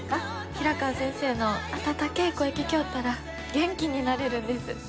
平川先生の温けえ声聴きょおったら元気になれるんです。